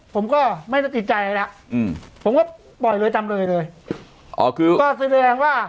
ผมก็ไม่ได้ติดใจอะไรแล้วอืมผมก็ปล่อยเลยจำเลยเลยอ๋อคือก็แสดงว่า